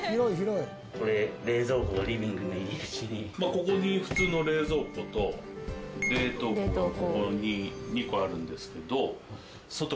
ここに普通の冷蔵庫と冷凍庫がここに２個あるんですけど。